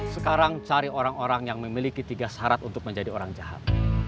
sekarang cari orang orang yang memiliki tiga syarat untuk menjadi orang jahat